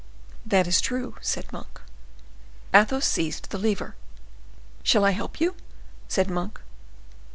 "That is true," said Monk. Athos seized the lever. "Shall I help you?" said Monk.